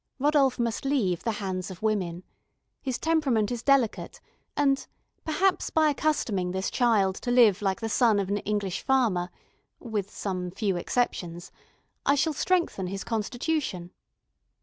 Rodolph must leave the hands of women; his temperament is delicate, and, perhaps, by accustoming this child to live like the son of an English farmer (with some few exceptions), I shall strengthen his constitution."